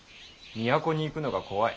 都に行くのが怖い。